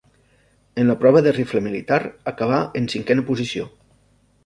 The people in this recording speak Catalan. En la prova de rifle militar acabà en cinquena posició.